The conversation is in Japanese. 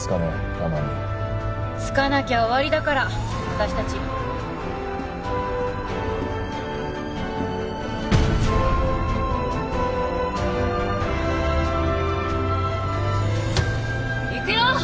奄美着かなきゃ終わりだから私達行くよ！